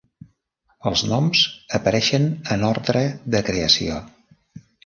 Els noms apareixen en ordre de creació.